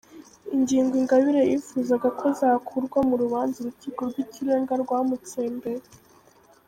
Ingingo Ingabire yifuzaga ko zakurwa mu rubanza Urukiko rw’Ikirenga rwamutsembeye